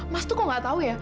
mas tuh kok nggak tahu ya